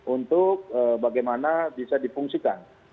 untuk bagaimana bisa dipungsikan